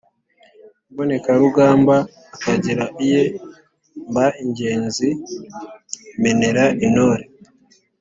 Ingobokarugamba akagira iye, mba ingenzi menera intore,